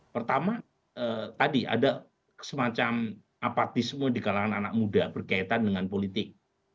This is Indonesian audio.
pertama tadi ada semacam apatisme di kalangan anak muda berkaitan dengan politik